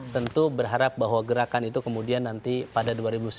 tentu berharap bahwa gerakan itu kemudian nanti pada dua ribu sembilan belas